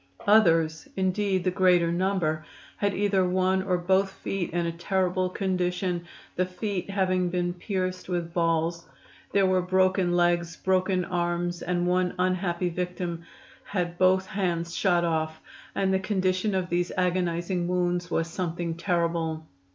Others, indeed the greater number, had either one or both feet in a terrible condition, the feet having been pierced with balls. There were broken legs, broken arms and one unhappy victim had both hands shot off, and the condition of these agonizing wounds was something terrible.